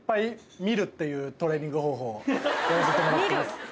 やらせてもらってます。